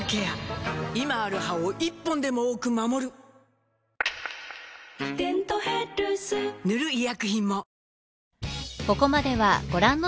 今ある歯を１本でも多く守る「デントヘルス」塗る医薬品も